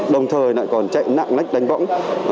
đồng thời lại còn chạy nạng lách đánh bóng